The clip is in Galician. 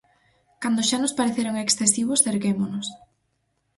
Cando xa nos pareceron excesivos erguémonos.